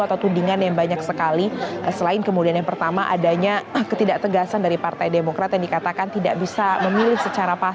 atau tudingan yang banyak sekali selain kemudian yang pertama adanya ketidak tegasan dari partai demokrat yang dikatakan tidak bisa memilih secara pasti